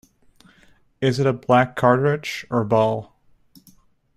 Is it blank cartridge or ball?